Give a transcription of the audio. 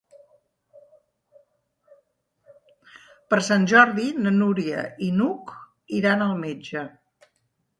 Per Sant Jordi na Núria i n'Hug iran al metge.